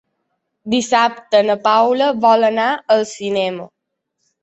Dissabte na Paula vol anar al cinema.